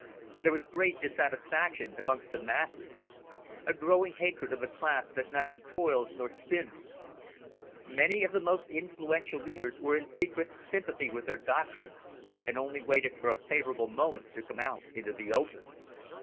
There was great dissatisfaction amongst the masses, a growing hatred of the class that neither toils nor spins. Many of the most influential leaders were in secret sympathy with their doctrines, and only waited for a favourable moment to come out into the open.